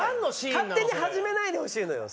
勝手に始めないでほしいのよ。